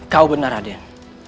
kau benar raden